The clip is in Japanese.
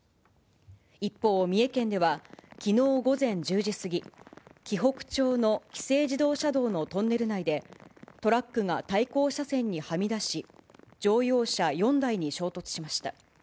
一方、三重県ではきのう午前１０時過ぎ、紀北町の紀勢自動車道のトンネル内で、トラックが対向車線にはみ出し、乗用車４台に衝突しました。